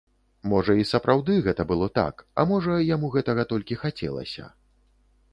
Можа, і сапраўды гэта было так, а можа, яму гэтага толькі хацелася.